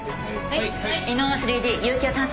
はい。